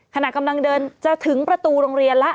ขณะกำลังเดินจะถึงประตูโรงเรียนแล้ว